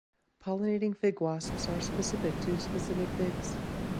Pollinating fig wasps are specific to specific figs.